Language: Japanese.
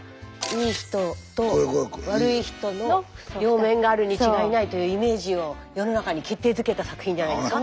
いい人と悪い人の両面があるに違いないというイメージを世の中に決定づけた作品じゃないですか。